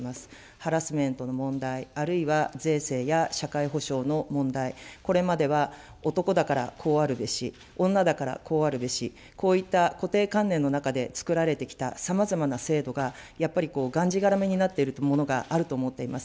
ハラスメントの問題、あるいは税制や社会保障の問題、これまでは男だからこうあるべし、女だからこうあるべし、こういった固定観念の中でつくられてきたさまざまな制度が、やっぱりがんじがらめになっているものがあると思っています。